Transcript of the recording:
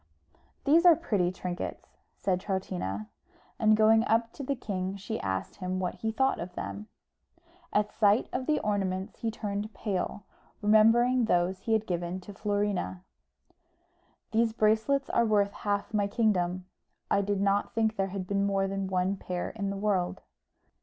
"These are pretty trinkets," said Troutina; and going up to the king she asked him what he thought of them. At sight of the ornaments he turned pale, remembering those he had given to Florina. "These bracelets are worth half my kingdom; I did not think there had been more than one pair in the world."